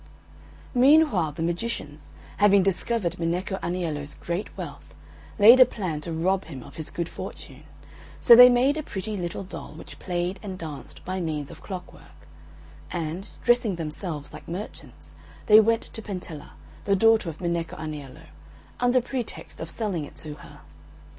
Meanwhile the magicians, having discovered Minecco Aniello's great wealth, laid a plan to rob him of his good fortune, so they made a pretty little doll which played and danced by means of clockwork; and, dressing themselves like merchants, they went to Pentella, the daughter of Minecco Aniello, under pretext of selling it to her.